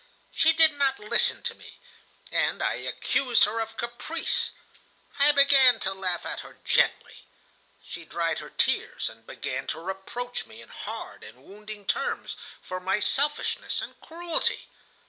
She did not listen to me, and I accused her of caprice. I began to laugh at her gently. She dried her tears, and began to reproach me, in hard and wounding terms, for my selfishness and cruelty.